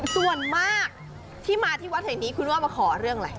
ส่วนมากที่มาที่วัดแห่งนี้คุณว่ามาขอเรื่องอะไร